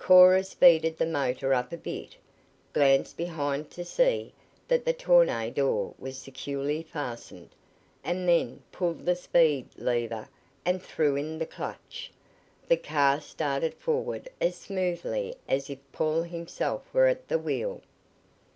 Cora speeded the motor up a bit, glanced behind to see that the tonneau door was securely fastened, and then pulled the speed lever and threw in the clutch. The car started forward as smoothly as if Paul himself were at the wheel.